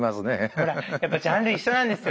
ほらやっぱジャンル一緒なんですよ。